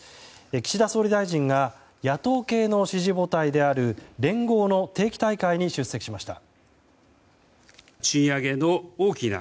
岸田総理大臣が野党系の支持母体である連合の定期大会に出席しました。